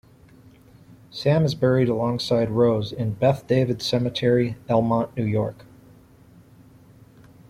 Sam is buried alongside Rose in Beth David Cemetery, Elmont, New York.